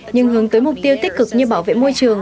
nhưng hướng tới mục tiêu tích cực như bảo vệ môi trường